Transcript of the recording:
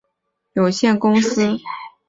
此外还成立子公司精灵宝可梦有限公司。